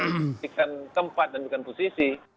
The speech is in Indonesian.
sedikan tempat dan sedikan posisi